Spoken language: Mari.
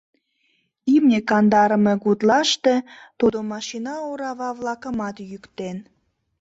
Имне кандарыме гутлаште тудо машина орава-влакымат «йӱктен».